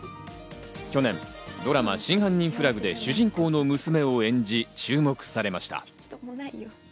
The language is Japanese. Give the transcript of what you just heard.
去年、ドラマ『真犯人フラグ』で主人公の娘を演じ、注目されました。